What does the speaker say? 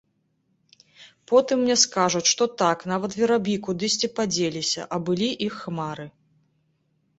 Потым мне скажуць, што, так, нават вераб'і кудысьці падзеліся, а былі іх хмары.